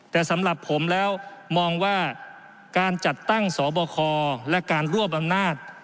แต่สำหรับผมแล้วมองว่าการจัดตั้งสบคและการรวบอำนาจ